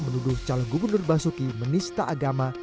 menuduh calon gubernur basuki menista agama